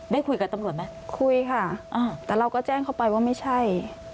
ได้คุยกับตำรวจไหมคุยค่ะอ่าแต่เราก็แจ้งเขาไปว่าไม่ใช่